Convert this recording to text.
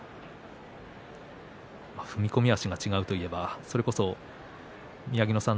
踏み込む足が違うといえばそれこそ宮城野さん